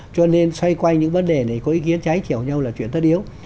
cho nên xoay quay những vấn đề này có ý kiến trái trẻo nhau là chuyện thất yếu